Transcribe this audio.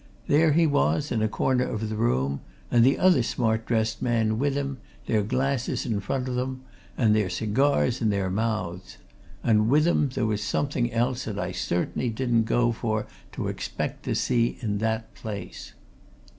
There he was, in a corner of the room, and the other smart dressed man with him, their glasses in front of 'em, and their cigars in their mouths. And with 'em there was something else that I certainly didn't go for to expect to see in that place."